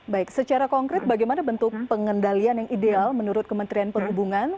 baik secara konkret bagaimana bentuk pengendalian yang ideal menurut kementerian perhubungan